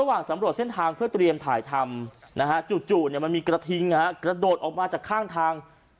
ระหว่างสำรวจเส้นทางเพื่อเตรียมถ่ายทำจู่มันมีกระทิงกระโดดออกมาจากข้างทาง